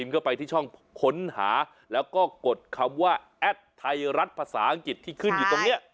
ก็ไปที่ช่องค้นหาแล้วก็กดคำว่าแอดไทยรัฐภาษาอังกฤษที่ขึ้นอยู่ตรงนี้